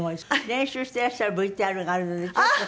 練習していらっしゃるＶＴＲがあるのでちょっと。